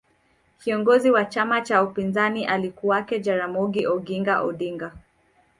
kiongozi wa chama cha upinzani alikuwake jaramogi oginga Odinga